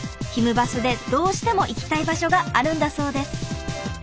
バスでどうしても行きたい場所があるんだそうです。